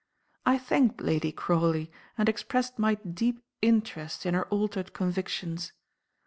I thanked Lady Crawley, and expressed my deep interest in her altered convictions.